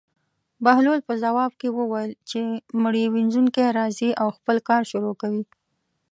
بهلول په ځواب کې وویل: چې مړي وينځونکی راځي او خپل کار شروع کوي.